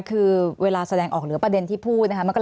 คือเวลาแสดงออกหรือประเด็นที่พูดนะคะ